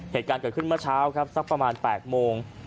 เหตุการณ์เกิดขึ้นเมื่อเช้าครับสักประมาณ๘โมง